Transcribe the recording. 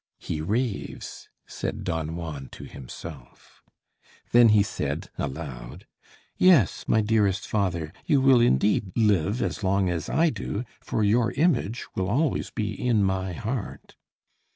"He raves," said Don Juan to himself. Then he said, aloud: "Yes, my dearest father, you will indeed live as long as I do, for your image will be always in my heart."